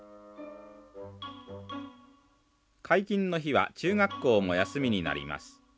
解禁の日は中学校も休みになります。